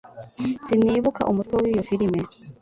Sinibuka umutwe w'iyo firime.